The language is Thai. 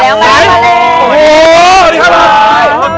สวัสดีครับ